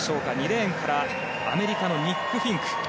２レーンからアメリカのニック・フィンク。